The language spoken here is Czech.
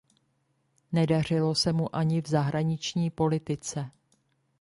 Nedařilo se mu ani v zahraniční politice.